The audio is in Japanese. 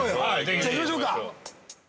じゃあ、行きましょうか。